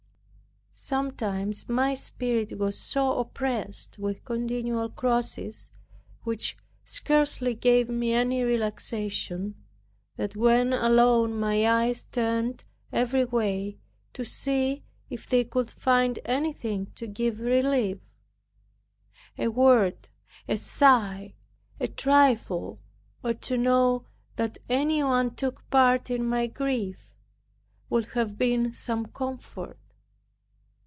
Sometimes my spirit was so oppressed with continual crosses, which scarcely gave me any relaxation, that when alone my eyes turned every way, to see if they could find anything to give relief. A word, a sigh, a trifle, or to know that anyone took part in my grief, would have been some comfort.